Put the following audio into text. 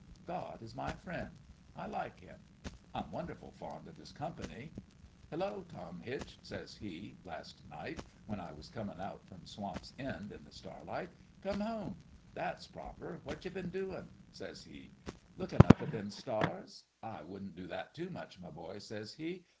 God w my friend. I like Him : I'm wonderful fond of His company. ' Hello, Tom Hitch !' says He, last night, when I was comin' out from Swamp's 78 In LOVE WITH A FLOWER End in the starlight. 'Coin' home? That's proper. What you been doin' ?' says He. 1 Lookin' up at all them stars ? I wouldn't do that too much, my boy/ says He.